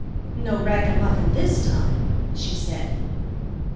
"No ragamuffin this time," she said.